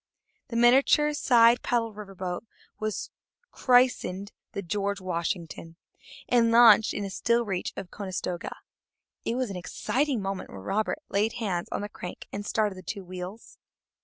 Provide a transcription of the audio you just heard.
The miniature side paddle river boat was christened the George Washington, and launched in a still reach of the Conestoga. It was an exciting moment when Robert laid hands on the crank and started the two wheels.